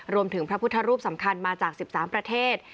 รวมถึงพระพุทธรูปสำคัญมาจากสิบสามประเทศ